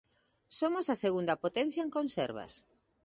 Somos a segunda potencia en conservas.